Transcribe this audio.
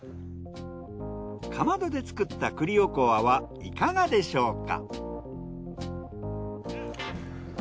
かまどで作った栗おこわはいかがでしょうか。